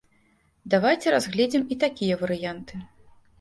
Давайце разгледзім і такія варыянты.